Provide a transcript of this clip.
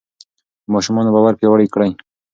د ماشوم باور پیاوړی کړئ.